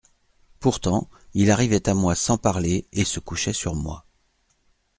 Pourtant, il arrivait à moi sans parler et se couchait sur moi.